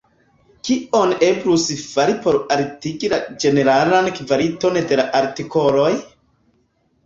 Kion eblus fari por altigi la ĝeneralan kvaliton de la artikoloj?